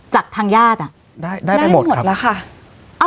จากทางญาติได้หมดแล้วค่ะ